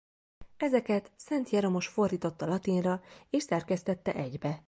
Ezeket Szent Jeromos fordította latinra és szerkesztette egybe.